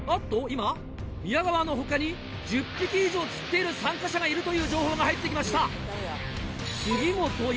今宮川の他に１０匹以上釣っている参加者がいるという情報が入ってきました。